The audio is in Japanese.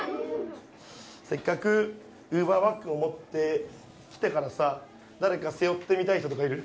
せっかくＵｂｅｒバッグを持って来たからさ誰か背負ってみたい人とかいる？